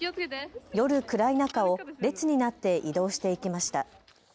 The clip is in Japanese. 夜、暗い中を列になって移動していきました。